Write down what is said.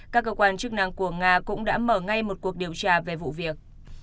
các cơ quan chức năng của nga cũng đã mở ngay một cuộc điều tra về vụ việc